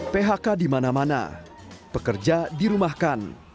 phk di mana mana pekerja dirumahkan